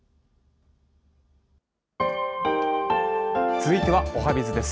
続いてはおはＢｉｚです。